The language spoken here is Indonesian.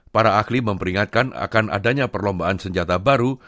para ahli memperingatkan akan adanya perlombaan senjata baru